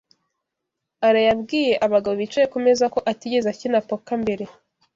Alain yabwiye abagabo bicaye kumeza ko atigeze akina poker mbere.